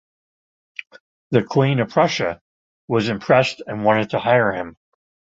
The Queen of Prussia was impressed and wanted to hire him.